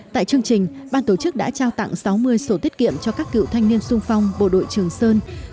tại chương trình ban tổ chức đã trao tặng sáu mươi sổ tiết kiệm cho các cựu thanh niên sung phong bộ đội trường sơn